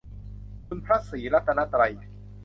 คุณพระศรีรัตนตรัย